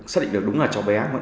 xác định được đúng là chóng xa bảo